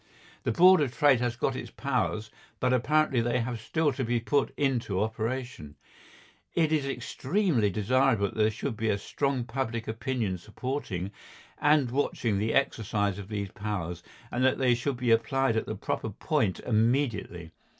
The Board of Trade has got its powers, but apparently they have still to be put into operation. It is extremely desirable that there should be a strong public opinion supporting and watching the exercise of these powers, and that they should be applied at the proper point immediately.